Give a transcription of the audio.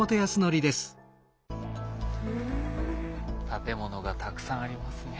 建物がたくさんありますね。